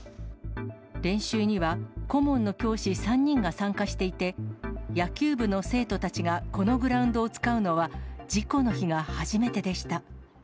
練習には顧問の教師３人が参加していて、野球部の生徒たちがこのグラウンドを使うのは、事故の日が初めてでした。